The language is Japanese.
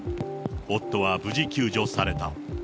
夫は無事救助された。